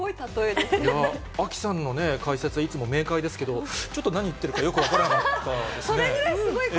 アキさんのね、解説はいつも明解ですけど、ちょっと何言ってるかよく分からそれぐらいすごい。